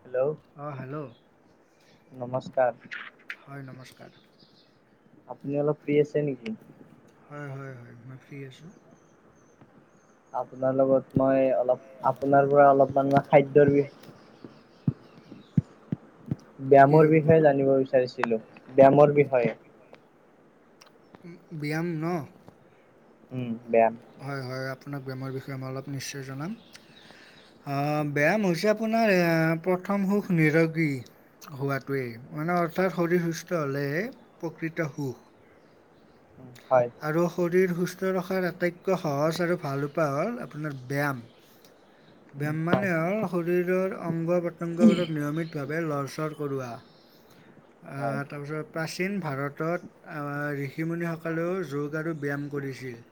Hello অঁ hello নমস্কাৰ। হয় নমস্কাৰ। আপুনি অলপ ফ্ৰী আছে নেকি? হয় হয় হয়, মই ফ্ৰী আছোঁ। আপোনাৰ লগত মই অলপ আপোনাৰ পৰা অলপমান খাদ্যৰ বিষ- কি ব্যায়ামৰ ৰূপৰ বিষয়ে জানিব বিচাৰিছিলো ব্যায়ামৰ বিষয়ে। ব্যায়াম ন? উম ব্যায়াম। হয় হয় আপোনাক ব্যায়ামৰ বিষয়ে মই অলপ নিশ্চয় জনাম। আ ব্যায়াম হৈছে আপোনাৰ প্ৰথম সুখ নিৰোগী। হোৱাটোৱেই, মানে অৰ্থাৎ শৰীৰ সুস্থ হ'লে হে প্ৰকৃত সুখ। হয়। আৰু শৰীৰ সুস্থ ৰখাৰ আটাইতকৈ সহজ আৰু ভাল উপায় হ'ল আপোনাৰ ব্যায়াম। [unintelligible] ব্যায়াম হয় মানে হল শৰীৰৰ অংগ পত্যংগবোৰক নিয়মিত - ভাবে লৰচৰ কৰোৱা, অ হয় হয় তাৰ পিছত- প্ৰাচীন ভাৰতত ঋষিমুনিসকলেও যোগ আৰু ব্যায়াম কৰিছিল।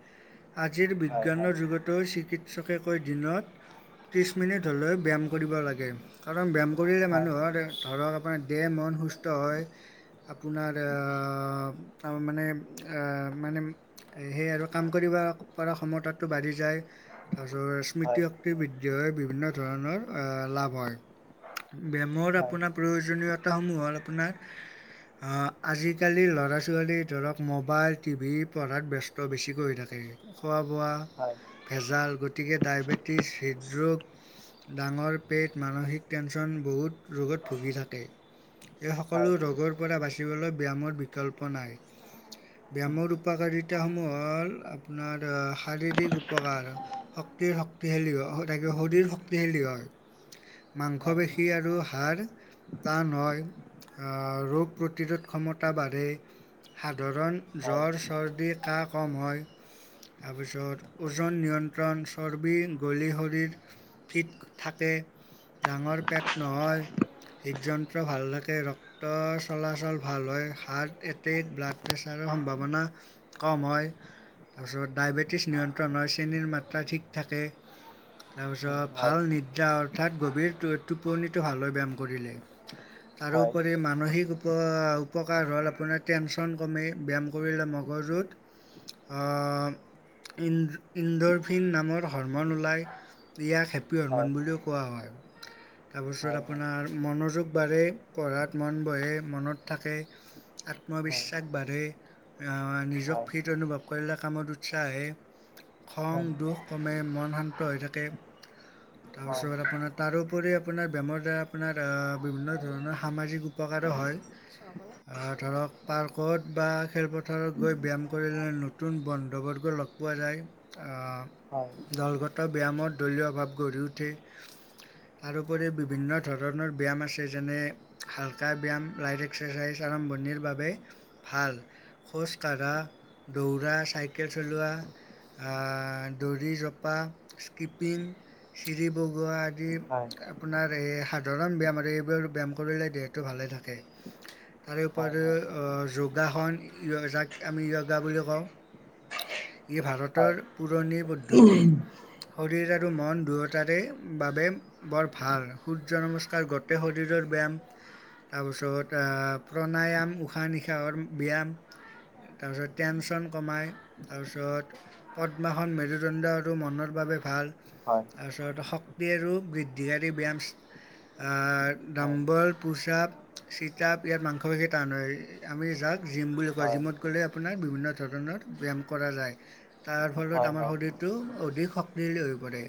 আজিৰ হয় বিজ্ঞানৰ যুগতো চিকিৎসকে কয় দিনত- ত্ৰিছ মিনিট হ'লেও ব্যায়াম কৰিব লাগে। কাৰণ ব্যায়াম কৰিলে হয় মানুহৰ ধৰক আপোনাৰ দেহ মন সুস্থ হয়। আপোনাৰ আ তাৰ মানে আ - মানে সেই আৰু কাম কৰিব পৰা ক্ষমতা টো বাঢ়ি যায়, তাৰ পিছত- হয় হয় হয় হয় হয় স্মৃতিশক্তি বৃদ্ধি হৈ বিভিন্ন ধৰণৰ লাভ হয়। হয় ব্যায়ামৰ আপোনাৰ প্ৰয়োজনীয়তা সমূহত আপোনাৰ- অ আজিকালি ল'ৰা ছোৱালী ধৰক মোবাইল টি ভি, পঢ়াত ব্যস্ত বেছিকৈ হৈ থাকে, খোৱা বোৱা হয়। ভেজাল গতিকে ডায়েবেটিছ হৃদৰোগ- ডাঙৰ পেট মানসিক টেনশ্যন বহুত ৰোগত ভুগি থাকে। এই সকলো ৰোগৰ পৰা বাচিবলৈ ব্যায়ামৰ বিকল্প নাই। ব্যায়ামৰ উপকাৰিতাসমূহ হ'ল আপোনাৰ শাৰীৰিক উপকাৰ। শক্তিৰ শক্তিশালী হৈ থাকিব শৰীৰ শক্তিশালী হয়। মাংস হয় হয় পেশী আৰু হাড়- টান হয় ৰোগ প্ৰতিৰোধ ক্ষমতা বাঢ়ে, সাধাৰণ - জ্বৰ চৰ্দি কাহ কম হয়। তাৰপিছত ওজন নিয়ন্ত্ৰণ, চৰ্বি গলি শৰীৰৰ। ফিট থাকে, ডাঙৰ পেট নহয়। হৃদযন্ত্ৰ ভাল থাকে, ৰ- ক্ত চলাচল ভাল হয়, হাৰ্ট এটেক, ব্লাড প্ৰেছাৰ- সম্ভাৱনা কম হয়। তাৰপিছত ডায়েবেটিছ নিয়ন্ত্ৰণ হয়, চেনীৰ মাত্ৰা ঠিক থাকে। তাৰপিছত ভাল নিদ্ৰা অৰ্থাৎ গভীৰ টোপনিটো ভাল হৈ ব্যায়াম কৰিলে। তাৰোপৰি মানসিক উপ উপকাৰ হ'ল আপোনাৰ টেনচন কমে। ব্যায়াম কৰিলে মগজুত আ- এণ্ডৰফিন নামৰ হৰমন ওলাই দিয়া ক্ষেত্ৰ- প্ৰিয় হৰমন বুলিও কোৱা হয়। তাৰপাছত আপোনাৰ মনোযোগ বাঢ়ে, পঢ়াত মন বহে, মনত থাকে, - আত্মবিশ্বাস বাঢ়ে, - নিজক ফিট অনুভৱ কৰিলে কামত উৎসাহ আহে, খং, দুখ- কমে, মন শান্ত হৈ থাকে তাৰপিছত আপোনাৰ- তাৰোপৰি আপোনাৰ ব্যায়ামৰ দ্বাৰা আপোনাৰ আ বিভিন্ন ধৰণৰ সামাজিক উপকাৰো হয়। ধৰক পাৰ্কত বা- খেলপথাৰত গৈ ব্যায়াম কৰিলে নতুন বন্ধুবৰ্গ লগ পোৱা যায়, আ- হয়। দলগত ব্যায়ামত দলীয় ভাৱ গঢ়ি উঠে। তাৰোপৰি বিভিন্ন ধৰণৰ ব্যায়াম আছে। যেনে- হালকা ব্যায়াম, লাইট এক্সাৰচাইজ আৰম্ভণিৰ বাবে ভাল। খোজ কঢ়া, দৌৰা, চাইকেল চলোৱা- আ দোৰি জপা, স্কিপিং, চিৰি বগোৱা- আদি আপোনাৰ এই সাধাৰণ ব্যায়াম আৰু এইবোৰ ব্যায়াম কৰিলে দেহটো ভালে থাকে। তাৰে উপৰিও যোগাসন, - য়জাক আমি য়গা বুলিও কওঁ। ই ভাৰতৰ পুৰণি পদ্ধতি। শৰীৰ আৰু মন দুয়োতাৰে বাবে- বৰ ভাল সূৰ্য নমস্কাৰ গোটেই শৰীৰৰ ব্যায়াম, - তাৰপিছত প্ৰাণায়াম উশাহ নিশাহৰ ব্যায়াম, - তাৰপিছত টেনচন কমাই, তাৰপিছত- পদ্মাসন মেৰুদণ্ডটো আৰু মনৰ বাবে ভাল, - হয়। তাৰপছত শক্তি আৰু বৃদ্ধিকাৰী ব্যায়াম আ ডম্বৰ, - পুচাপ, চিতাপ ইয়াত মাংস পেশী টান হয়, আমি যাক জিম বুলি কওঁ। জিমত গ'লে- আপোনাক বিভিন্ন ধৰণৰ ব্যায়াম কৰা যায়। তাৰ ফলত আমাৰ শৰীৰত- টো অধিক শক্তিশালী হৈ পৰে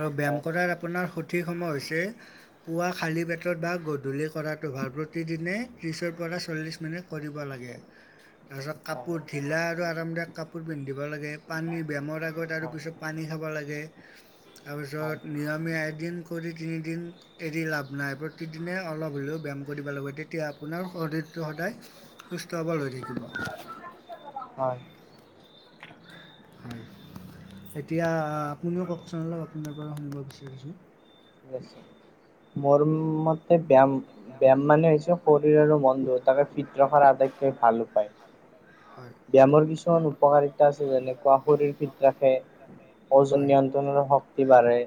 আৰু ব্যায়াম কৰাৰ আপোনাৰ- সঠিক সময় হৈছে- পুৱা খালী পেটত বা গধূলি কৰাটো ভাল। প্ৰতিদিনেই ত্ৰিছৰ পৰা চল্লিছ মিনিট কৰিব লাগে। তাৰপিছত কাপোৰ হয় ঢিলা আৰু আৰামদায়ক কাপোৰ পিন্ধিব লাগে। পানী, ব্যায়ামৰ আগত- হয় তাৰপিছত পানী খাব লাগে, হয় তাৰপিছত নিয়মিত এদিন কৰি তিনিদিন- এৰি লাভ নাই। প্ৰতিদিনে অলপ হ'লেও ব্যায়াম কৰিব লাগে, তেতিয়া আপোনাৰ শৰীৰটো সদায়- সুস্থ সবল হৈ থাকিব। হয়। [unintelligible] এতিয়া আপুনিও কওকচোন অলপ আপোনাৰ পৰা শুনিব বিচাৰিছো। [unintelligible] মোৰ মতে ব্যায়াম। ব্যায়াম মানে হৈছে শৰীৰ আৰু মন দুয়োটাকে ফিট ৰখাৰ আটাইতকৈ ভাল পায়। হয়, ব্যায়ামৰ কিছুমান উপকাৰিতা আছে যেনেকুৱা শৰীৰ ফিট ৰাখে। ওজন হয়। [inaudible] নিয়ন্ত্ৰণৰ শক্তি বাঢ়ে,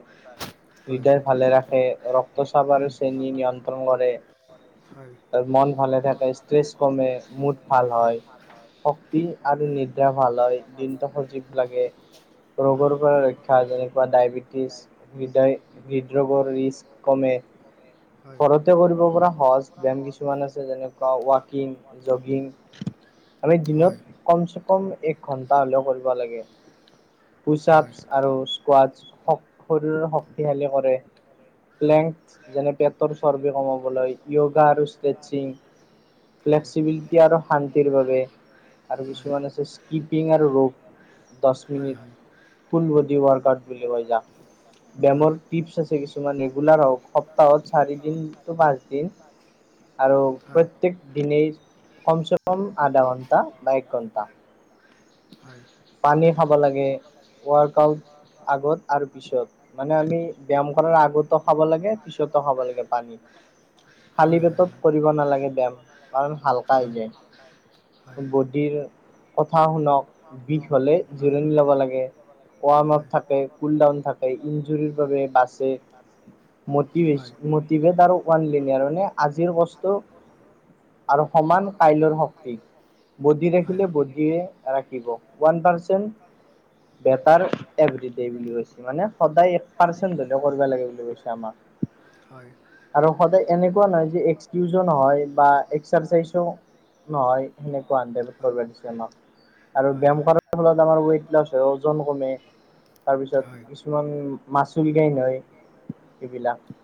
হৃদয় ভালে ৰাখে ৰক্তচাপ আৰু শ্ৰেণী নিয়ন্ত্ৰণ কৰে। হয়। ত মন ভালে থাকে ষ্ট্ৰেছ কমে মুড ভাল হয়। শক্তি আৰু নিদ্ৰা ভাল হয় দিনটো সজীৱ লাগে। হয়, ৰোগৰ পৰা ৰক্ষা যেনেকুৱা ডায়বেটিছ হৃদয়। হৃদৰোগৰ ৰি্কস কমে হয়। ঘৰতে কৰিব পৰা সহজ। বায়াম কিছুমান আছে যেনেকুৱা ৱাকিং জগিং। মানে দিনত হয়। কম চে কম এক ঘন্টা হলেও কৰিব লাগে। পুচাপ হয়। হয়, আৰু স্কোৱাছ শৰীৰৰ শক্তিশালী। হয়, হয়। লেং যেনে পেটৰ চৰ্বি কমাবলৈ য়োগা আৰু ষ্ট্ৰেচিং। ফ্লেক্সিবিলিটি আৰু শান্তিৰ বাবে। আৰু কিছুমান আছে স্কিপিং আৰু ৰোপ দছ হয়, হয়, হয়, মিনিট। হয়। ফুল বড ৱৰ্কউট বুলি কয় যাক ব্যায়ামৰ। টপ আছে কিছুমান ৰেগুলাৰ হওক সপ্তাহত চাৰি দিন টো পাঁচ দিন। আৰু হয়, হয়, হয়, প্ৰত্যেক দিনেই কম চে কম আধা ঘন্টা বা এক ঘণ্টা। হয়। পানী খাব লাগে ৱৰ্ক আউট আগত আৰু পিছত। মানে আমি ব্যায়াম কৰাৰ আগতো খাব লাগে পিছতো খাব লাগে পানী। খালী পেটত হয়, কৰিবব নালাগে ব ব্যায়াম কাৰণ হালকা হৈ হয়। যায়। হয়, বডিৰ কথা শুনক বিষ হলে হয়। জিৰণি লব লাগে। ৱাৰ্ম আপ থাকে কুল ডাউন থাকে ইঞ্জুৰ বাবে বাছে। মতিভেছ মতিভেট আৰু ৱানলিনিয়াৰ মানে আজিৰ কষ্ট। হয়। হয়। আৰু সমান কাইলৰ শক্তি বডি হয়। ৰাখিলে বডিয়ে। ৰাখিব ওৱান পাৰ্চেণ্ট। বেটাৰ অভ্ৰিডে বুলি কৈছে মানে সদায় এক পাৰ্চেন্ট হলেও কৰিব লাগে বুলি কৈছে আমাক। [inaudible] হয় আৰু সদায় এনেকুৱা নহয় যে এক্সকিজ নহয় বা এক্সাৰচাইজো। নহয় সেনেকুৱা আনডেভ হয়। কৰিব দিছে আমাক। আৰু হয়, হয়, ব্যায়াম কৰাৰ ফলত আমাৰ ৱট লছ হয় হেওজন কমে। তাৰপিছত হয়। কিছুমান মাচুল গাইন হয় এইবিলাক।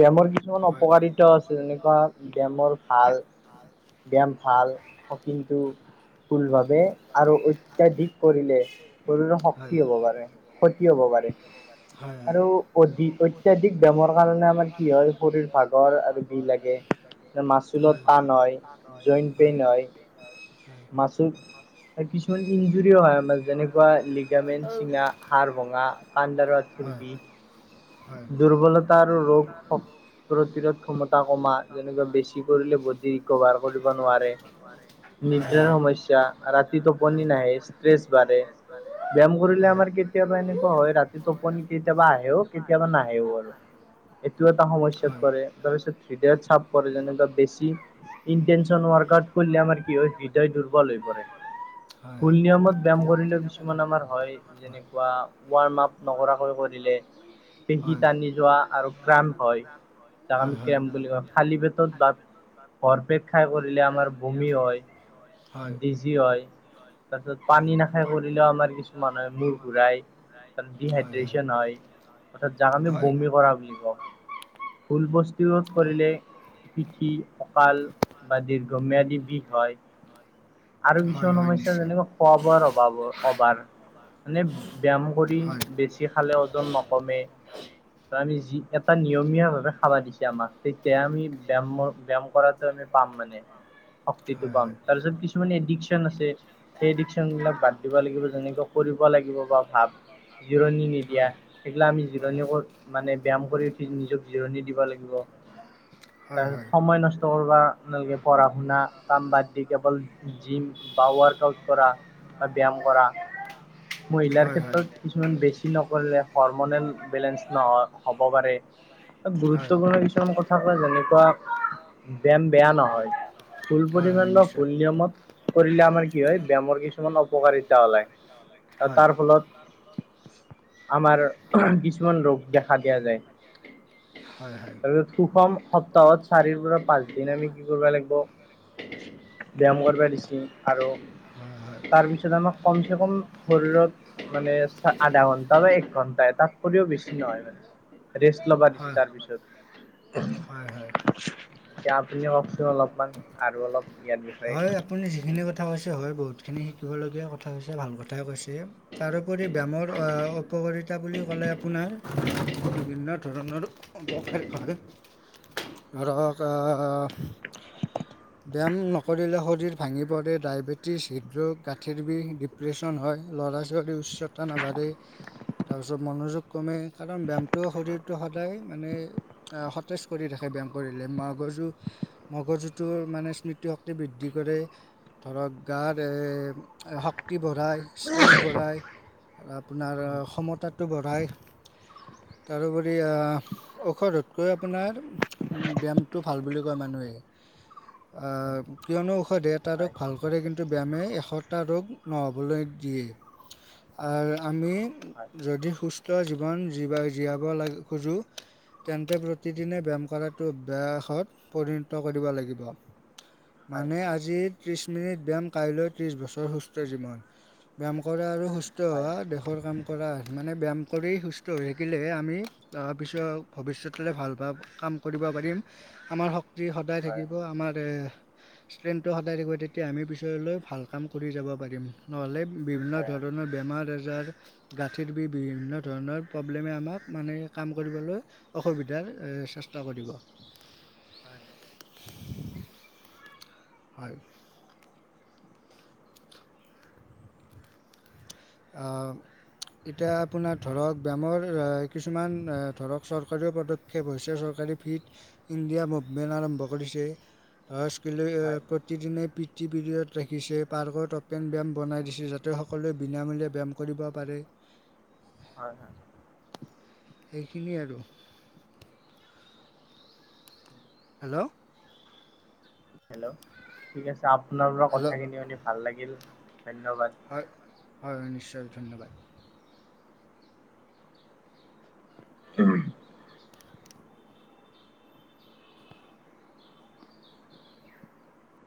ব‌োয়ামৰ কিছুমান হয়। অপকাৰিতা আছে যেনেকুৱা বোয়ামৰ ভাল। ব্যায়াম ভাল হ কিন্তু ভুল ভাবে। আৰু অত্য়াধিক কৰিলে শৰীৰৰ হয়, হয়, হয়। শক্তি হব পাৰে ক্ষতি হব পাৰে। হয়, আৰু অধিক অত্য়াধিক দামৰ কাৰণে আমাৰ কি হয় শৰীৰ ভাগৰ আৰু বি লাগে। মাচুলত টান হয়। [unintelligible] মাচো কিছুমান ইঞ্জুৰৰি হয় আমাৰ যেনেকুৱা লিগামেণ্ট চিঙা হাৰ বঙা পাণ্ডাৰা হয়। হয়, থুৰবিী। হয়। দুৰ্বলতা আৰু ৰোগ [inaudible] প্ৰতিৰোধ ক্ষমতা কমা যেনেকুৱা বেছি কৰিলে বডি ৰিকভাৰ কৰিব নোৱাৰে। নোৱাৰে। নিদ্ৰায় সমস্যা ৰাতি টোপনি নাহে ষ্ট্ৰেছ বাঢ়ে। ব্যায়াম কৰিলে হয়। আমাৰ কেতিয়াবা এনেকুৱা হয় ৰাতি টোপনি কেতিয়াবা আহেও কেতিয়াবা নাহেও আৰু এইটো এটা সমস্যাত পৰে, থ্ৰীডদেইড চাপ পৰে, যেনেকুৱা বেছি ইনটেনচন ৱৰ্কউট কৰিলে আমাৰ কি হয় হৃদয় দুৰ্বল হৈ পৰে। হয় ফুল হয়। নিয়মত ব্যায়াম কৰিলেও কিছুমান আমাৰ হয়। যেনেকুৱা ৱাৰ্ম আপ নকৰাকৈ কৰিলে। পেশী হয়। টানি যোৱা আৰু ক্ৰাম্প হয়, তাক আমি হয় হয়। ক্ৰম্প বুলি কওঁ খালি পেটত বা ভৰ পেট খাই কৰিলে আমাৰ বমি হয়, হয় ডিজি হয়। তাৰ পিছত হয়। পানী নাখায় কৰিলেও আমাৰ কিছুমানৰ মূৰ ঘূৰাই। তাত ডিহাইড্ৰে্যন হয়, অৰ্থাৎ যাক আমি হয় বমি কৰা বুলি কওঁ। ফুল বস্তুৰুত হয় কৰিলে পিঠি কঁকাল বা দীৰ্ঘম্যয়াদী বিষ হয়। আৰু হয় কিছুমান হয় সমস্যা নিশ্চয় যেনেকৈ খোৱা বোৱা ৰ অভাব অভাৰৰ। মানে ব্যায়াম কৰি হয় বেছি খালে ওজন নক কমে, আমি যি এটা নিয়মীয়া ভাৱে খাবা দিছে। তেতিয়া আমাক তেতিয়া আমি ব্যায়াম ব্যায়াময় কৰাটো আমি পাম মানে। শক্তিটো হয় পাম, হয় তাৰপিছত কিছুমানে এডিকচন আছে। সেই এডিকশ্যন বিলাক বাদ দিব লাগিব, যেনেকে কৰিব লাগিব বা ভাব জিৰণি নিদিয়া, হয় সেইগিলা আমি জিৰণি ক'ত মানে ব্যায়াম কৰি উঠি নিজক জিৰণি দিব লাগিব, হয় হয় হয় তাৰপিছত সময় নষ্ট তোৰ পঢ়া শুনা কাম বাদ দি কেৱল জিম বা ৱক আউট কৰা। বা ব্যায়াম কৰা, মহিলাৰ হয় হয় হয় ক্ষেত্ৰত কিছুমান বেছি নকৰিলে। পাৰমেন্তত বেলেঞ্চ ন হব পাৰে হয় গুৰুত্বপূৰ্ণ কিছুমান কথ থাকে যেনেকুৱা ব্যায়াম বেয়া নহয়, ফুল হয় পৰিমাণ বা নিশ্চয় ফুল নিয়মত। কৰিলে আমাৰ কি হয় ব্যায়ামৰ কিছুমান অপকাৰিতা ওলায়, আৰু হয় তাৰ ফলত আমাৰ কিছুমান ৰোগ দেখা দিয়া যায়। হয় হয়। আৰু সুষম সপ্তাহত চাৰিৰ পৰা পাঁচ দিন আমি কি কৰিব লাগব ব্যায়াম কৰিব দিছি আৰু। হয় তাৰপিছত আমাক কমচেকম শৰীৰত মানে আধা ঘন্টা বা ঘন্টাই তাতকৈ বেছি নহয় মানে, ৰেষ্ট ল'বা হয় দিছে হয় তাৰপিছত। হয় হয় এতিয়া আপুনি কওকচোন অলপমান আৰু অলপ। ইয়াৰ বিষয়ে। হয় আপুনি যিখিনি কথা কৈছে হয় বহুতখিনি শিকিবলগীয়া কথা কৈছে ভাল কথাই কৈছে। তাৰোপৰি ব্যায়ামৰ অঁ উপকাৰিতা বুলি ক'লে আপোনাৰ বিভিন্ন ধৰণৰ অবকেশ হয়। ধৰক অ [inaudible] ব্যায়াম ন শৰীৰে শৰীৰ ভাঙি পৰে, ডায়েবেটিছ, হৃদৰোগ, গাঁঠিৰ বিষ, ডিপ্ৰেশ্যন হয়, ল'ৰা-ছোৱালী উচ্চ তা নাবাঢ়ে, তাৰপিছত মনোযোগ কমে কাৰণ ব্যায়ামটো শৰীৰটো সদায় মানে এ সতেজ কৰি ৰাখে ব্যায়াম কৰিলে, মগৰজু মগৰজুটোৰ মানে স্মৃতি শ ক্তি বৃদ্ধি কৰে, ধৰক গাত এ এ শক শক্তি বঢ়ায়, ষ্ট্ৰেংথ বঢ়ায়, আপোনাৰ সমতাটো বঢ়ায় তাৰোপৰি আহ ঔষধতকৈ আপোনাৰ ব্যায়ামটো ভাল বুলি কয় মানুহে আ কিয়নো ঔষধে এটা ৰোগ হয় হয় ভাল কৰে কিন ব্যায়ামে এশটা ৰোগ নহ'বলৈ দিয়ে। আৰু আমি হয় যদি সুস্থ জীৱন জীবা জীয়াব লাগে খোজোঁ তেন্তে প্ৰতিদিনে ব্যায়াম কৰাটো অভ্যাসত পৰিণত কৰিব লাগিব। হয় মানে হয়। আজি ত্ৰিশ মিনিট ব্যায়াম, কাইলৈ ত্ৰিশ বছৰ সুস্থ জীৱন। ব্যায়াম কৰে আৰু সু সুস্থ হয় হোৱা দেশ ৰ কাম কৰা। মানে ব্যায়াম কৰি সুস্থ হৈ থাকিলেহে আমি তাৰপিছত ভৱিষ্যতলৈ ভাল ভাব কাম কৰিব পাৰিম। আমাৰ শক্তি সদায় হয় থাকিব আমাৰে ষ্ট্ৰেংনটো সদায় থাকিব তেতিয়া আমি পিছলৈ ভাল কাম কৰি যাব পাৰিম। নহ'লে বিভিন্ন হয় ধৰণৰ বেমাৰ আজাৰ, গাঁঠিৰ বিষ, বিভিন্ন ধৰণৰ প্ৰব্লেমে আমাক মানে কাম কৰিবলৈ অসুবিধাৰ চেষ্টা কৰিব। হয়। হয় অ এতিয়া আপোনাৰ ধৰক, বেমাৰ কিছুমান ধৰক চৰকাৰী পদ প্ৰদক্ষেপ হৈছে চৰকাৰে ফ্ৰীত ইণ্ডিয়া মুভমেণ্ট আৰম্ভ কৰিছে। স্কিলে হয় প্ৰতিদিনে পি টি পিৰিয়দ ৰাখিছে। পাৰ্কত অপেন ব্যায়াম বনাই উম, দিছে যাতে সকলোৱে বিনামূলীয়া ব্যায়াম কৰিব পাৰে। হয় হয়। সেইখিনিয়ে আৰু হেল্ল হেল্ল ঠিক আছে আপোনাৰ পৰা হেল্ল' কথাখিনি শুনি ভাল লাগিল ধন্যবাদ। হয় হয় হয় নিশ্চয় ধন্যবাদ। উম